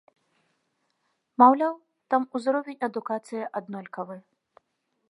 Маўляў, там узровень адукацыі аднолькавы.